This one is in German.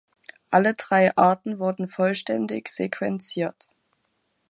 Alle drei Arten wurden vollständig sequenziert.